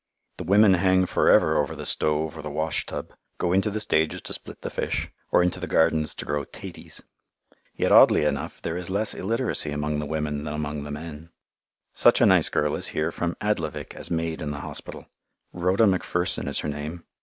The women hang forever over the stove or the washtub, go into the stages to split the fish, or into the gardens to grow "'taties." Yet oddly enough, there is less illiteracy among the women than among the men. [Illustration: RHODA'S RANDY] Such a nice girl is here from Adlavik as maid in the hospital. Rhoda Macpherson is her name.